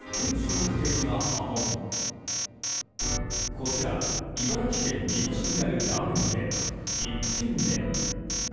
こちら、茨城県水戸市にあるラーメン店、いっけんめ。